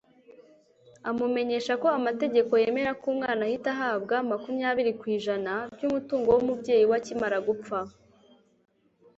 amumenyeshako amategeko yemera ko umwana ahita ahabwa (makumyabiri kw'ijana) by'umutungo w'umubyeyi we akimara gupfa